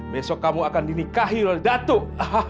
besok kamu akan dinikahi oleh datuk